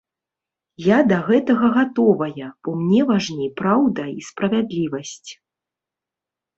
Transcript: Я да гэтага гатовая, бо мне важней праўда і справядлівасць.